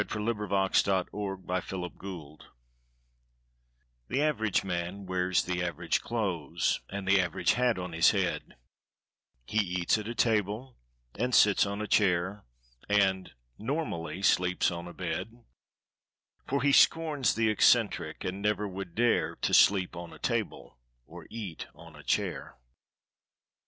By Wallace Irwin To the Average Man THE AVERAGE MAN wears the average clothesAnd the average hat on his head; He eats at a table and sits on a chairAnd (normally) sleeps on a bed; For he scorns the eccentric, and never would dareTo sleep on a table or eat on a chair.